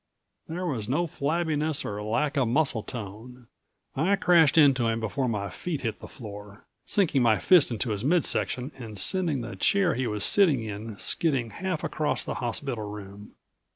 There was no flabbiness or lack of muscle tone. I crashed into him before my feet hit the floor, sinking my fist into his mid section and sending the chair he was sitting in skidding half across the hospital room.